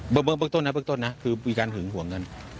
เบื้องต้นนะคือมีการหึงห่วงกัน